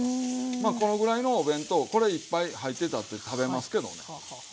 まあこのぐらいのお弁当これいっぱい入ってたって食べますけどね。